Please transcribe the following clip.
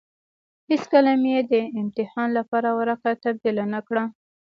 هېڅکله مې يې د امتحان لپاره ورقه تبديله نه کړه.